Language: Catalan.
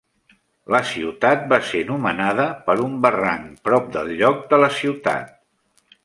La ciutat va ser nomenada per un barranc prop del lloc de la ciutat.